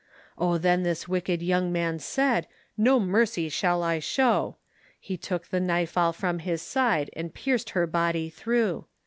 O then this wicked young man said, No mercy will I show; He took the knife all from his side, And pierced her body through.